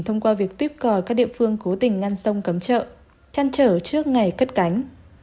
thông qua việc tuyếp cò các địa phương cố tình ngăn sông cấm chợ chăn trở trước ngày cất cánh